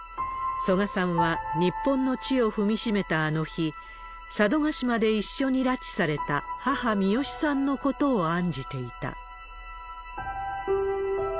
曽我さんは日本の地を踏みしめたあの日、佐渡島で一緒に拉致された母、ミヨシさんのことを案じていた。